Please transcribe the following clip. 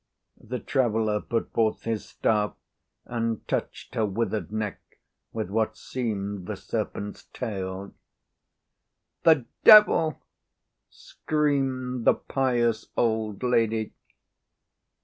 The traveller put forth his staff and touched her withered neck with what seemed the serpent's tail. "The devil!" screamed the pious old lady.